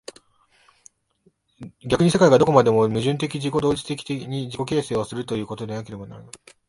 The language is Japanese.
逆に世界がどこまでも矛盾的自己同一的に自己自身を形成するということでなければならない。